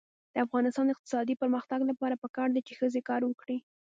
د افغانستان د اقتصادي پرمختګ لپاره پکار ده چې ښځې کار وکړي.